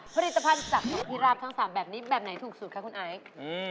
ผลิตภัณฑ์จากนกพิราบทั้งสามแบบนี้แบบไหนถูกสุดคะคุณไอซ์